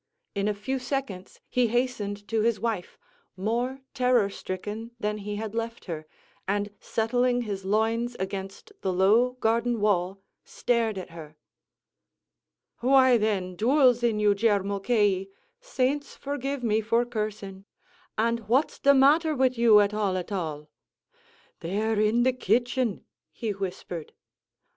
In a few seconds he hastened to his wife, more terror stricken than he had left her, and settling his loins against the low garden wall, stared at her. "Why, then, duoul's in you, Jer Mulcahy (saints forgive me for cursing!) and what's the matter wid you, at all at all?" "They're in the kitchen," he whispered.